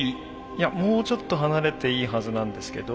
いやもうちょっと離れていいはずなんですけど。